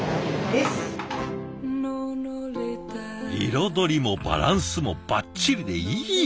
彩りもバランスもバッチリでいい感じ。